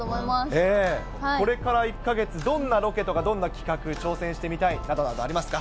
これから１か月、どんなロケとか、どんな企画、挑戦してみたいなどなどありますか？